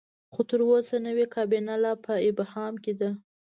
خو تر اوسه نوې کابینه لا په ابهام کې ده.